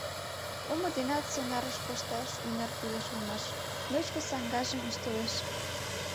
Омо денат сонарыш кошташ ӱнар кӱлеш улмаш, — ночко саҥгажым ӱштылеш.